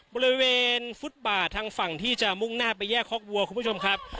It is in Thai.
บริเวณฟุตบาททางฝั่งที่จะมุ่งหน้าไปแยกคอกวัวคุณผู้ชมครับ